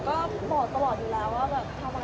จริงแล้วเริ่มมาเป็นลูกศัพท์ตุนต้น